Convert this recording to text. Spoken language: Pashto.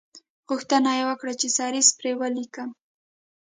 غوښتنه یې وکړه چې سریزه پر ولیکم.